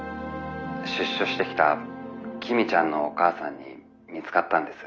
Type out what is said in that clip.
出所してきた公ちゃんのお母さんに見つかったんです」。